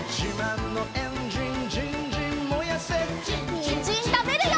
にんじんたべるよ！